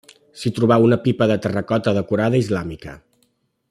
S'hi trobà una pipa de terracota decorada islàmica.